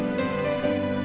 ya kita ke sekolah